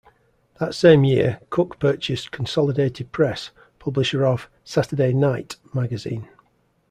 That same year, Cooke purchased Consolidated Press, publisher of "Saturday Night" magazine.